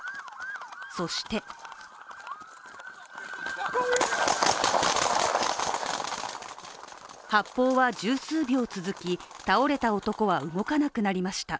そして発砲は十数秒続き、倒れた男は動かなくなりました。